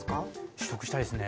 取得したいですね。